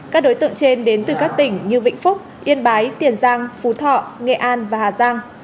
các đối tượng trên đến từ các tỉnh như vĩnh phúc yên bái tiền giang phú thọ nghệ an và hà giang